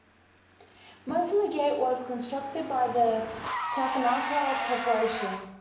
Most of the gate was constructed by the Takenaka Corporation.